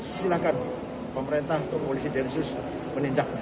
silahkan pemerintah atau polisi densus menindak